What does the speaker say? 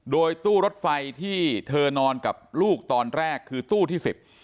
โดยตู้รถไฟที่เธอนอนกับลูกตอนแรกคือตู้ที่สิบ